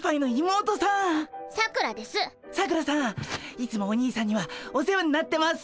いつもお兄さんにはお世話になってます！